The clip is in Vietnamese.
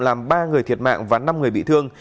làm ba người thiệt mạng và năm người bị thương